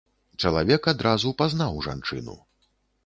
Чалавек адразу пазнаў жанчыну.